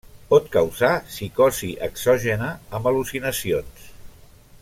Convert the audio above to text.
Pot causar psicosi exògena amb al·lucinacions.